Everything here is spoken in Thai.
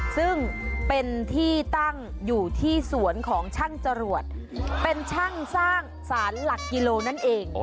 ซึ่งเป็นที่ตั้งอยู่ที่สวนของช่างจรวดเป็นช่างสร้างสารหลักกิโลนั่นเอง